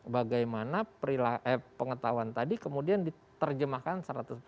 bagaimana pengetahuan tadi kemudian diterjemahkan